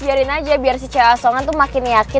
biarin aja biar si c asongan tuh makin yakin